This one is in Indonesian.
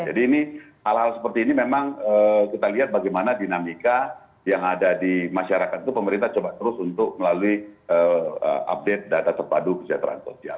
jadi ini hal hal seperti ini memang kita lihat bagaimana dinamika yang ada di masyarakat itu pemerintah coba terus untuk melalui update data terpadu kesejahteraan sosial